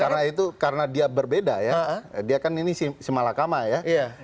karena itu karena dia berbeda ya dia kan ini si malakama ya